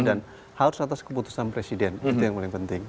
dan harus atas keputusan presiden itu yang paling penting